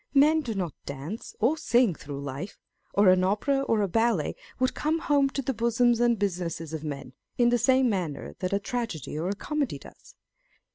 Men do not dance or sing through life ; or an Opera or a ballet would " come home to the bosoms and businesses of men," in the same manner that a Tragedy or Comedy does.